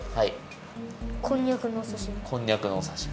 こんにゃくのおさしみ。